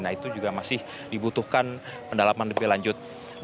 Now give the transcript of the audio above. nah itu juga masih dibutuhkan pendalaman lebih lanjut